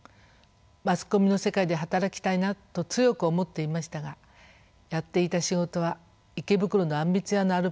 マスコミの世界で働きたいなと強く思っていましたがやっていた仕事は池袋のあんみつ屋のアルバイトでした。